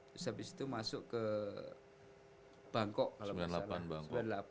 terus habis itu masuk ke bangkok kalau gak salah